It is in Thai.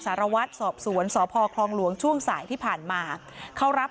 สารวัตรสอบสวนสพคลองหลวงช่วงสายที่ผ่านมาเขารับ